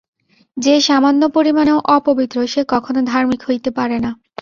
যে সামান্য পরিমাণেও অপবিত্র, সে কখনও ধার্মিক হইতে পারে না।